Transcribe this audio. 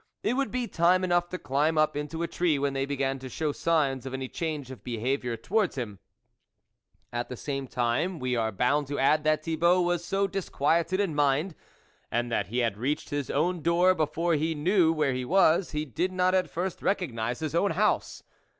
It would be time enough to climb up into a tree when they began to show signs of any change of behaviour towards him, At the same time we are bound to add that Thibault was so disquieted in mind and that he had reached his own door before he knew where he was, he did not at first recognise his own house.